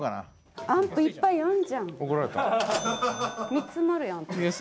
３つもあるやん。